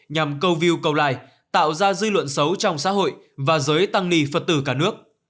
nhằm câu view câu like tạo ra dư luận xấu trong xã hội và giới tăng ni phật tử cả nước